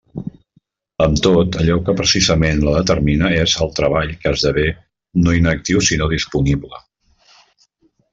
Amb tot, allò que precisament la determina és el treball que esdevé no inactiu sinó disponible.